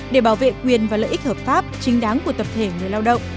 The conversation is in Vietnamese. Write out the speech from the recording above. để bảo vệ quyền và lợi ích hợp pháp chính đáng của tập thể người lao động